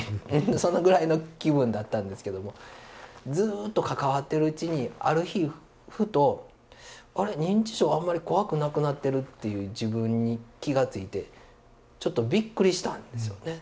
そのぐらいの気分だったんですけどもずっと関わってるうちにある日ふと「あれ認知症あんまり怖くなくなってる」っていう自分に気が付いてちょっとびっくりしたんですよね。